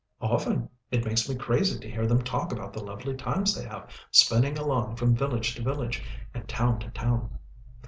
"Often it makes me crazy to hear them talk about the lovely times they have spinning along from village to village, and town to town."